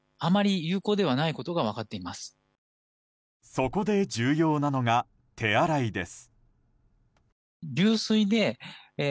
そこで重要なのが手洗いです。